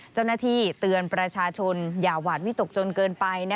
เจ้าหน้าที่เตือนประชาชนอย่าหวาดวิตกจนเกินไป